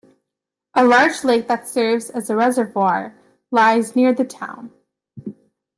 A large lake that serves as a reservoir lies near the town.